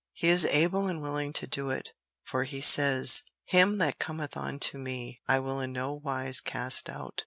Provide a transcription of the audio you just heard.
He is able and willing to do it, for He says, 'Him that cometh unto me I will in no wise cast out.'